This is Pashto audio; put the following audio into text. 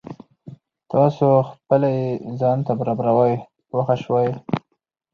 تاسو خپله یې ځان ته برابروئ پوه شوې!.